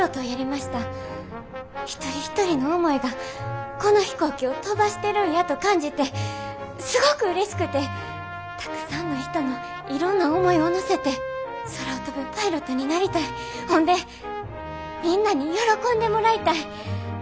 一人一人の思いがこの飛行機を飛ばしてるんやと感じてすごくうれしくてたくさんの人のいろんな思いを乗せて空を飛ぶパイロットになりたいほんでみんなに喜んでもらいたい。